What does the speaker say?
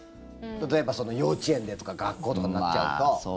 例えば幼稚園でとか学校とかなっちゃうと。